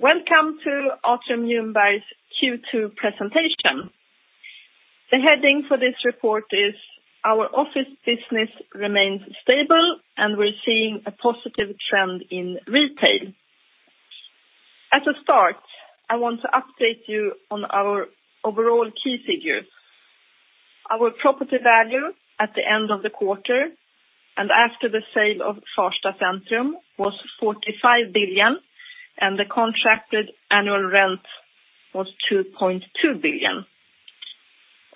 Welcome to Atrium Ljungberg Q2 presentation. The heading for this report is, Our Office Business Remains Stable and We're Seeing a Positive Trend in Retail. As a start, I want to update you on our overall key figures. Our property value at the end of the quarter, and after the sale of Farsta Centrum, was 45 billion, and the contracted annual rent was 2.2 billion.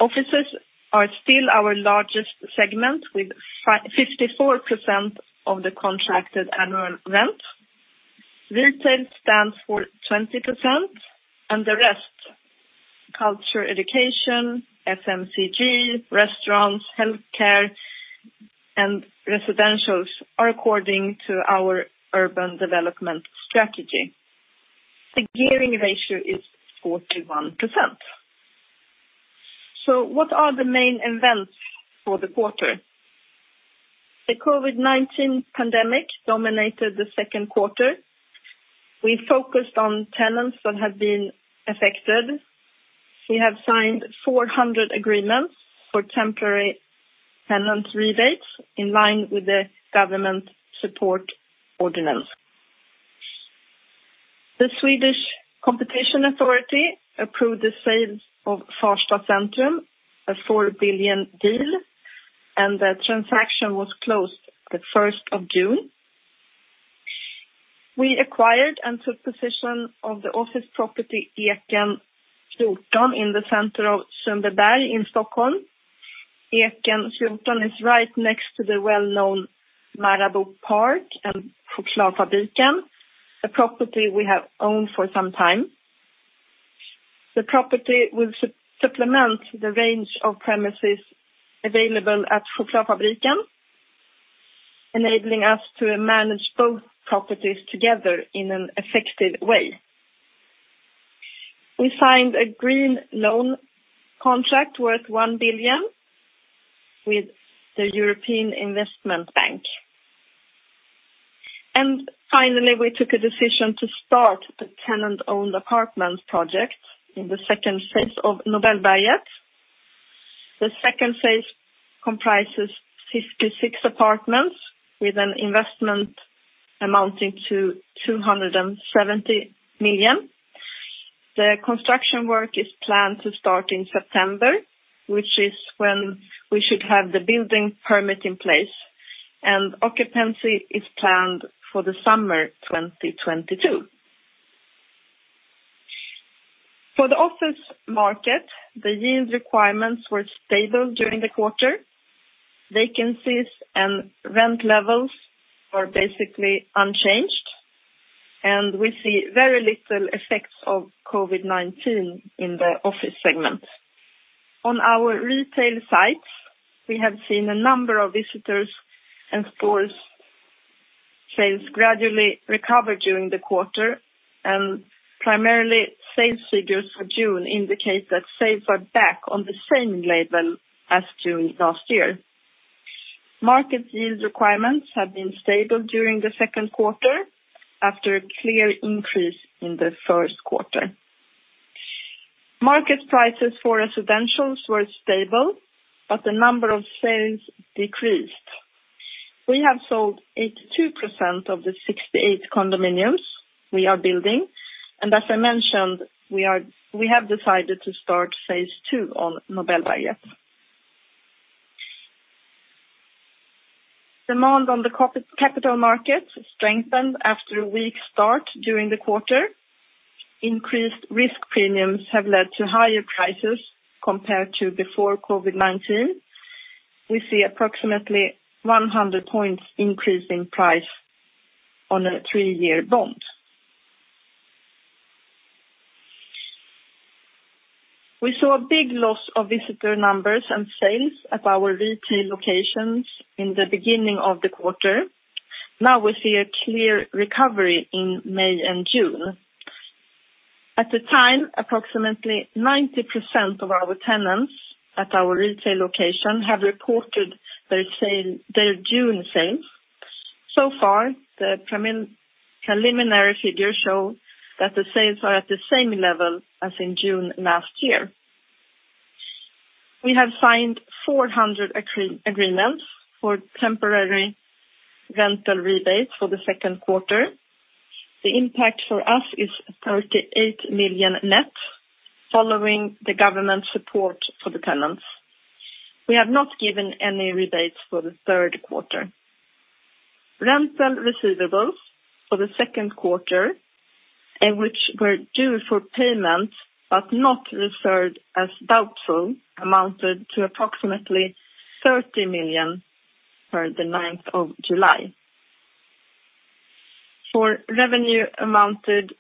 Offices are still our largest segment with 54% of the contracted annual rent. Retail stands for 20%, and the rest, culture, education, FMCG, restaurants, healthcare, and residentials are according to our urban development strategy. The gearing ratio is 41%. What are the main events for the quarter? The COVID-19 pandemic dominated the second quarter. We focused on tenants that have been affected. We have signed 400 agreements for temporary tenant rebates in line with the government support ordinance. The Swedish Competition Authority approved the sale of Farsta Centrum, a 4 billion deal, the transaction was closed the 1st of June. We acquired and took possession of the office property, Eken 14, in the center of Sundbyberg in Stockholm. Eken 14 is right next to the well-known Marabouparken and Chokladfabriken, a property we have owned for some time. The property will supplement the range of premises available at Chokladfabriken, enabling us to manage both properties together in an effective way. We signed a green loan contract worth 1 billion with the European Investment Bank. Finally, we took a decision to start the tenant-owned apartments project in phase 2 of Nobelberget. The phase 2 comprises 56 apartments with an investment amounting to 270 million. The construction work is planned to start in September, which is when we should have the building permit in place, and occupancy is planned for the summer 2022. For the office market, the yield requirements were stable during the quarter. Vacancies and rent levels are basically unchanged, and we see very little effects of COVID-19 in the office segment. On our retail sites, we have seen a number of visitors and stores' sales gradually recover during the quarter, and primarily sales figures for June indicate that sales are back on the same level as June last year. Market yield requirements have been stable during the second quarter after a clear increase in the first quarter. Market prices for residentials were stable, but the number of sales decreased. We have sold 82% of the 68 condominiums we are building, and as I mentioned, we have decided to start phase two on Nobelberget. Demand on the capital market strengthened after a weak start during the quarter. Increased risk premiums have led to higher prices compared to before COVID-19. We see approximately 100 points increase in price on a three-year bond. We saw a big loss of visitor numbers and sales at our retail locations in the beginning of the quarter. We see a clear recovery in May and June. At the time, approximately 90% of our tenants at our retail location have reported their June sales. The preliminary figures show that the sales are at the same level as in June last year. We have signed 400 agreements for temporary rental rebates for the second quarter. The impact for us is 38 million net following the government support for the tenants. We have not given any rebates for the third quarter. Rental receivables for the second quarter, and which were due for payment but not referred as doubtful, amounted to approximately 30 million per the 9th of July. For revenue amounted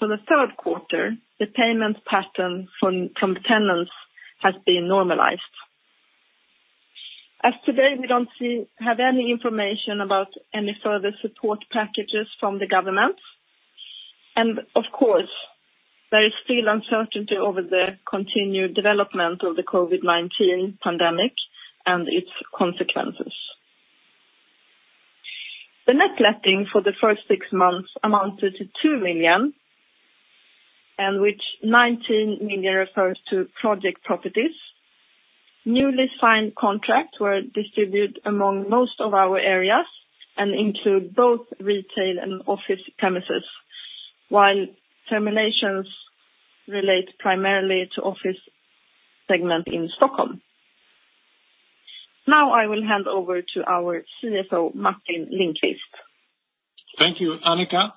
for the third quarter, the payment pattern from tenants has been normalized. As today, we don't have any information about any further support packages from the government. Of course, there is still uncertainty over the continued development of the COVID-19 pandemic and its consequences. The net letting for the first six months amounted to 2 million, and which 19 million refers to project properties. Newly signed contracts were distributed among most of our areas and include both retail and office premises, while terminations relate primarily to office segment in Stockholm. Now I will hand over to our CFO, Martin Lindqvist. Thank you, Annica.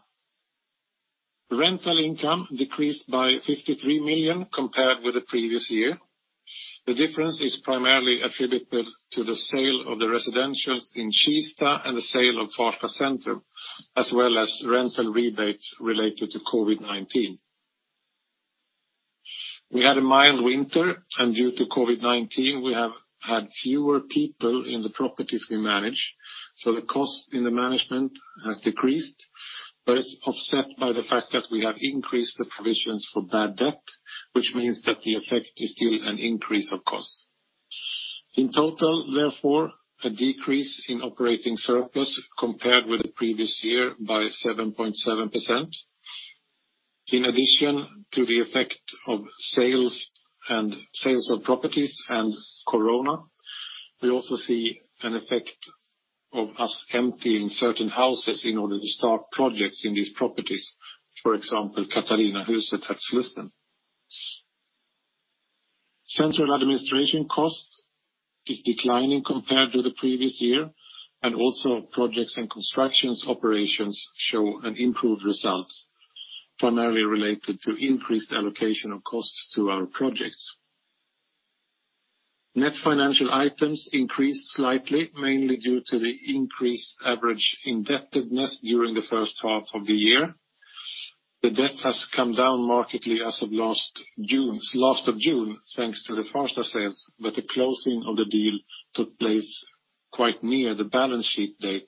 Rental income decreased by 53 million compared with the previous year. The difference is primarily attributable to the sale of the residentials in Kista and the sale of Farsta centrum, as well as rental rebates related to COVID-19. We had a mild winter, and due to COVID-19, we have had fewer people in the properties we manage, so the cost in the management has decreased, but it's offset by the fact that we have increased the provisions for bad debt, which means that the effect is still an increase of cost. In total, therefore, a decrease in operating surplus compared with the previous year by 7.7%. In addition to the effect of sales of properties and corona, we also see an effect of us emptying certain houses in order to start projects in these properties. For example, Katarinahuset at Slussen. Central administration cost is declining compared to the previous year, and also projects and constructions operations show an improved results, primarily related to increased allocation of costs to our projects. Net financial items increased slightly, mainly due to the increased average indebtedness during the first half of the year. The debt has come down markedly as of last of June, thanks to the Farsta sales, but the closing of the deal took place quite near the balance sheet date,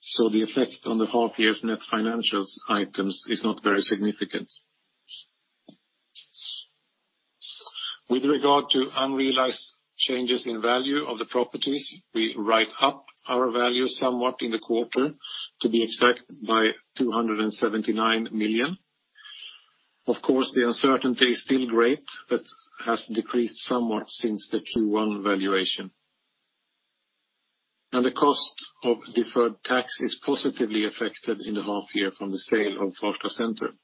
so the effect on the half year's net financial items is not very significant. With regard to unrealized changes in value of the properties, we write up our value somewhat in the quarter, to be exact, by 279 million. Of course, the uncertainty is still great, but has decreased somewhat since the Q1 valuation. Now the cost of deferred tax is positively affected in the half year from the sale of Farsta centrum.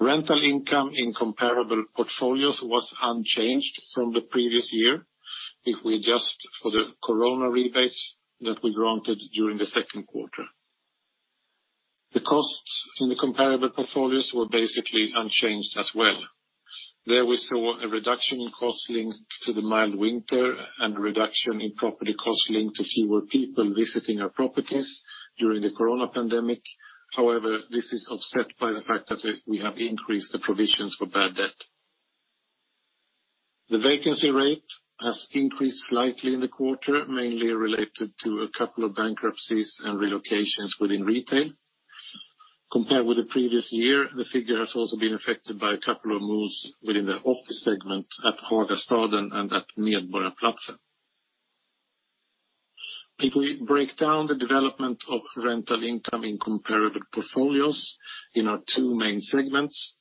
Rental income in comparable portfolios was unchanged from the previous year if we adjust for the corona rebates that we granted during the second quarter. The costs in the comparable portfolios were basically unchanged as well. There we saw a reduction in cost linked to the mild winter and a reduction in property cost linked to fewer people visiting our properties during the corona pandemic. However, this is offset by the fact that we have increased the provisions for bad debt. The vacancy rate has increased slightly in the quarter, mainly related to a couple of bankruptcies and relocations within retail. Compared with the previous year, the figure has also been affected by a couple of moves within the office segment at Hagastaden and at Medborgarplatsen. If we break down the development of rental income in comparable portfolios in our two main segments,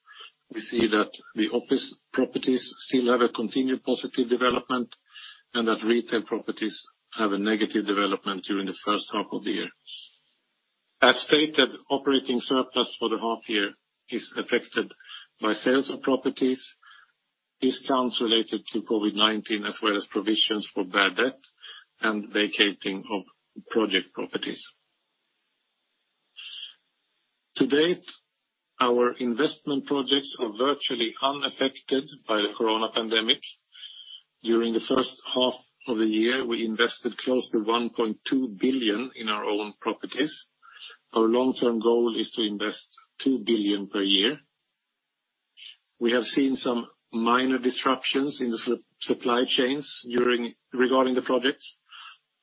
we see that the office properties still have a continued positive development and that retail properties have a negative development during the first half of the year. As stated, operating surplus for the half year is affected by sales of properties, discounts related to COVID-19, as well as provisions for bad debt and vacating of project properties. To date, our investment projects are virtually unaffected by the corona pandemic. During the first half of the year, we invested close to 1.2 billion in our own properties. Our long-term goal is to invest 2 billion per year. We have seen some minor disruptions in the supply chains regarding the projects,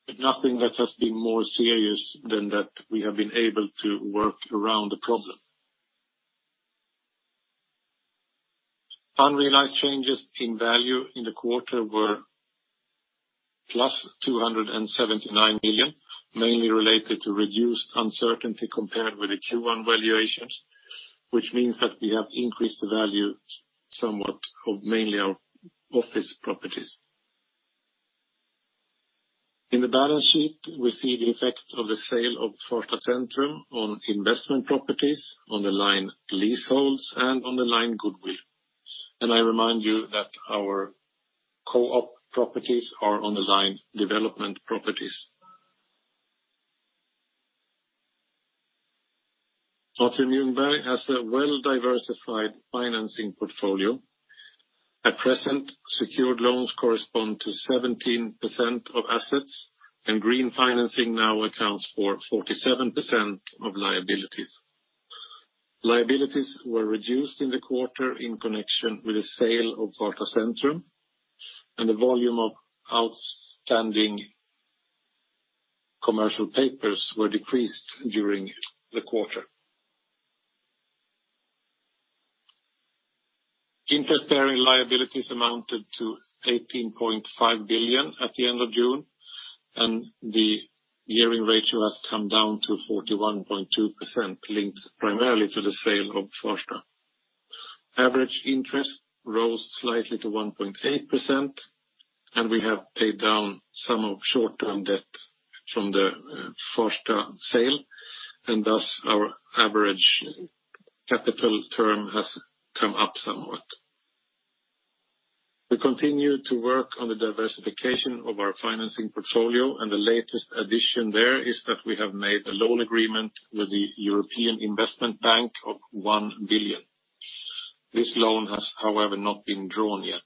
but nothing that has been more serious than that we have been able to work around the problem. Unrealized changes in value in the quarter were plus 279 million, mainly related to reduced uncertainty compared with the Q1 valuations, which means that we have increased the value somewhat of mainly our office properties. In the balance sheet, we see the effect of the sale of Farsta centrum on investment properties, on the line leaseholds, and on the line goodwill. I remind you that our co-op properties are on the line development properties. Atrium Ljungberg has a well-diversified financing portfolio. At present, secured loans correspond to 17% of assets, green financing now accounts for 47% of liabilities. Liabilities were reduced in the quarter in connection with the sale of Farsta centrum, and the volume of outstanding commercial papers were decreased during the quarter. Interest-bearing liabilities amounted to 18.5 billion at the end of June, and the gearing ratio has come down to 41.2%, linked primarily to the sale of Farsta. Average interest rose slightly to 1.8%, and we have paid down some of short-term debt from the Farsta sale, and thus our average capital term has come up somewhat. We continue to work on the diversification of our financing portfolio, and the latest addition there is that we have made a loan agreement with the European Investment Bank of 1 billion. This loan has, however, not been drawn yet.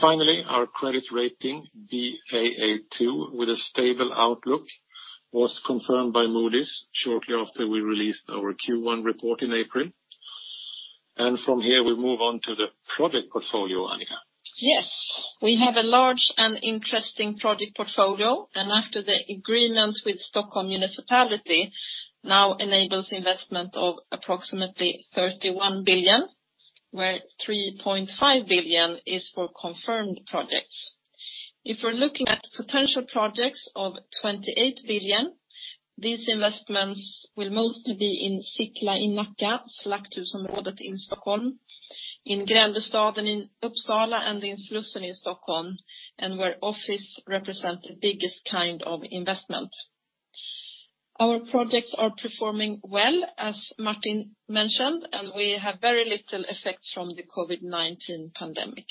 Finally, our credit rating, Baa2 with a stable outlook, was confirmed by Moody's shortly after we released our Q1 report in April. From here we move on to the project portfolio, Annica. Yes. We have a large and interesting project portfolio, after the agreements with Stockholm Municipality now enables investment of approximately 31 billion, where 3.5 billion is for confirmed projects. If we're looking at potential projects of 28 billion, these investments will mostly be in Sickla in Nacka, Slakthusområdet in Stockholm, in Gränbystaden in Uppsala, and in Slussen in Stockholm, where office represents the biggest kind of investment. Our projects are performing well, as Martin mentioned, we have very little effects from the COVID-19 pandemic.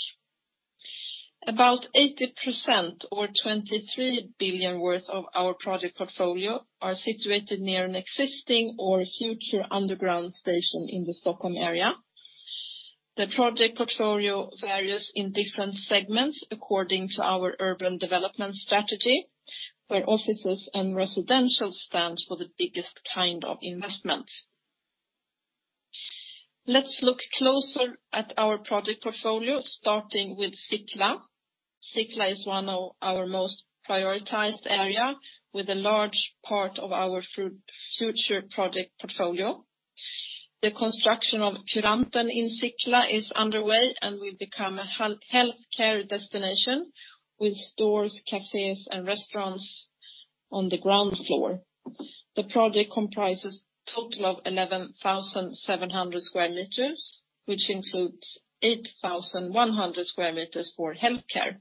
About 80% or 23 billion worth of our project portfolio are situated near an existing or future underground station in the Stockholm area. The project portfolio varies in different segments according to our urban development strategy, where offices and residential stands for the biggest kind of investment. Let's look closer at our project portfolio, starting with Sickla. Sickla is one of our most prioritized area with a large part of our future project portfolio. The construction of Curanten in Sickla is underway, and will become a healthcare destination with stores, cafes, and restaurants on the ground floor. The project comprises total of 11,700 sq m, which includes 8,100 sq m for healthcare.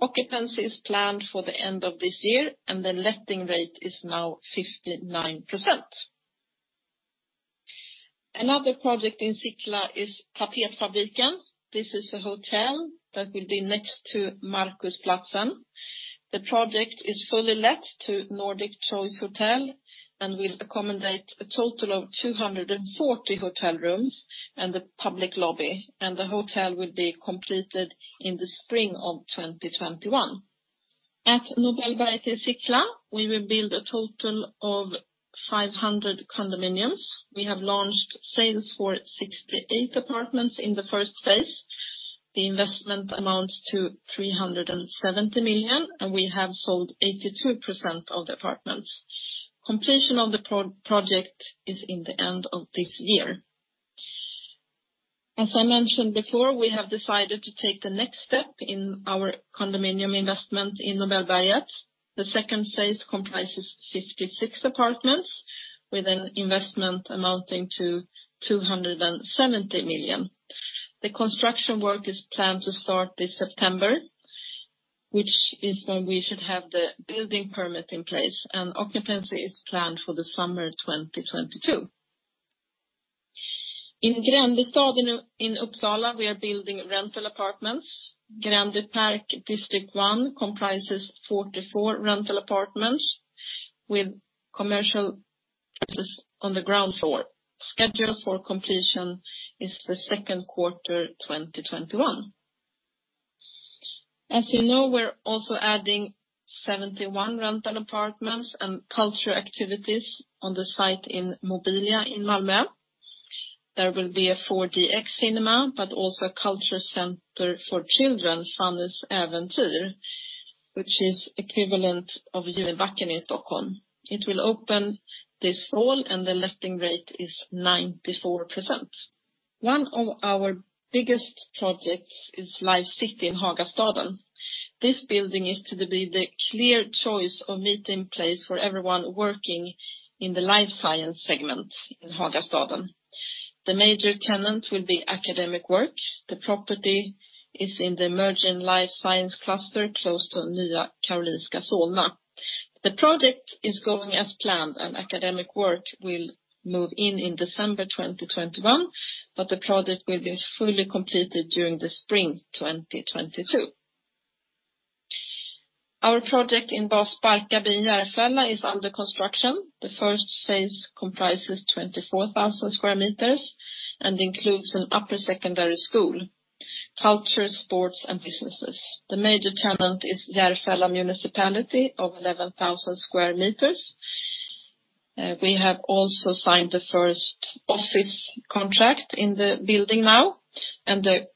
Occupancy is planned for the end of this year, and the letting rate is now 59%. Another project in Sickla is Tapetfabriken. This is a hotel that will be next to Marcusplatsen. The project is fully let to Nordic Choice Hotels and will accommodate a total of 240 hotel rooms and a public lobby, and the hotel will be completed in the spring of 2021. At Nobelberget in Sickla, we will build a total of 500 condominiums. We have launched sales for 68 apartments in the first phase. The investment amounts to 370 million, and we have sold 82% of the apartments. Completion of the project is in the end of this year. As I mentioned before, we have decided to take the next step in our condominium investment in Nobelberget. The second phase comprises 56 apartments with an investment amounting to 270 million. The construction work is planned to start this September, which is when we should have the building permit in place, and occupancy is planned for the summer 2022. In Gränbystaden in Uppsala, we are building rental apartments. Gränby Park kv. 1 comprises 44 rental apartments with commercial offices on the ground floor. Schedule for completion is the second quarter 2021. As you know, we're also adding 71 rental apartments and cultural activities on the site in Mobilia in Malmö. There will be a 4DX cinema, but also a culture center for children, Funnys Äventyr, which is equivalent of Junibacken in Stockholm. It will open this fall, and the letting rate is 94%. One of our biggest projects is Life City in Hagastaden. This building is to be the clear choice of meeting place for everyone working in the life science segment in Hagastaden. The major tenant will be Academic Work. The property is in the emerging life science cluster close to Nya Karolinska Solna. The project is going as planned, and Academic Work will move in in December 2021, but the project will be fully completed during the spring 2022. Our project in Bas Barkarby by Järfälla is under construction. The first phase comprises 24,000 sq m and includes an upper secondary school, culture, sports, and businesses. The major tenant is Järfälla Municipality of 11,000 sq m. We have also signed the first office contract in the building now, and the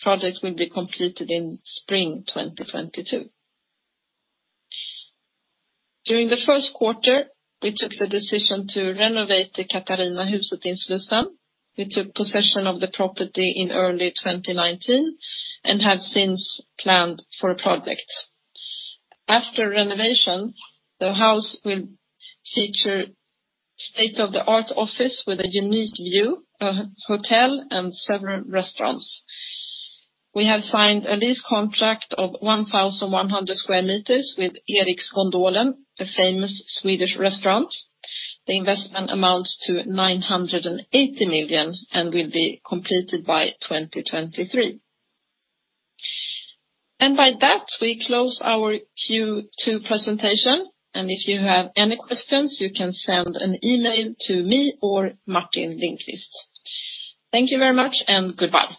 project will be completed in spring 2022. During the first quarter, we took the decision to renovate the Katarinahuset in Slussen. We took possession of the property in early 2019 and have since planned for a project. After renovation, the house will feature state-of-the-art office with a unique view, a hotel, and several restaurants. We have signed a lease contract of 1,100 sq m with Eriks Gondolen, a famous Swedish restaurant. The investment amounts to 980 million and will be completed by 2023. By that, we close our Q2 presentation, and if you have any questions, you can send an email to me or Martin Lindqvist. Thank you very much and goodbye.